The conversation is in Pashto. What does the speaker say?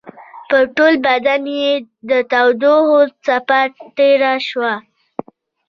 په ټول بدن يې د تودوخې څپه تېره شوه.